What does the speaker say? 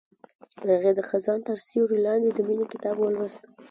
هغې د خزان تر سیوري لاندې د مینې کتاب ولوست.